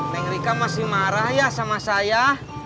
bang rika masih marah ya sama saya